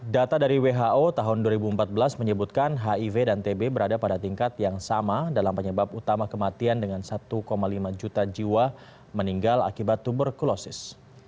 data dari who tahun dua ribu empat belas menyebutkan hiv dan tb berada pada tingkat yang sama dalam penyebab utama kematian dengan satu lima juta jiwa meninggal akibat tuberkulosis